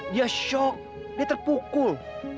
dia shock dia terpukul